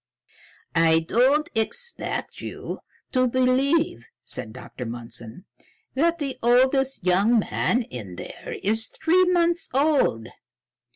"I don't expect you to believe," said Dr. Mundson, "that the oldest young man in there is three months old.